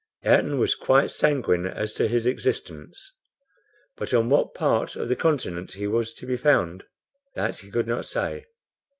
Ayrton was quite sanguine as to his existence; but on what part of the continent he was to be found, that he could not say.